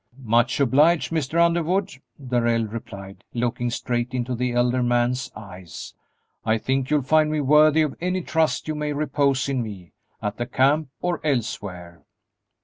"Much obliged, Mr. Underwood," Darrell replied, looking straight into the elder man's eyes; "I think you'll find me worthy of any trust you may repose in me at the camp or elsewhere."